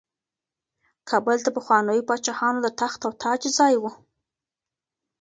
کابل د پخوانیو پاچاهانو د تخت او تاج ځای و.